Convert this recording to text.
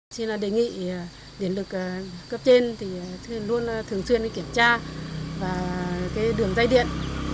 xin đề nghị điện lực cấp trên thì luôn thường xuyên kiểm tra đường dây điện